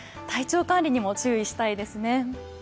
体調管理にも注意したいですね。